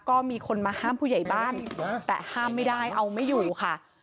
ก็มีคนมาห้ามผู้ใหญ่บ้านแต่ห้ามไม่ได้เอาไม่อยู่ค่ะ